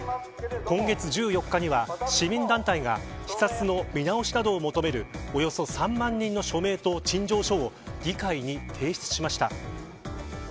今月１４日には、市民団体が視察の見直しなどを求めるおよそ３万人の署名と陳情書を議会に提出しました。